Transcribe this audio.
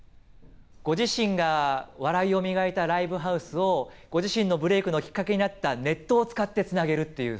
ご自身が笑いを磨いたライブハウスをご自身のブレークのきっかけになったネットを使ってつなげるっていう。